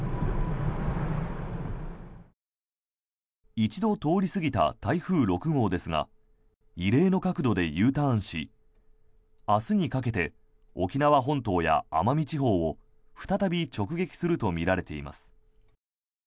一度通り過ぎた台風６号ですが異例の角度でＵターンし明日にかけて沖縄本島や奄美地方を再び直撃するとみられています。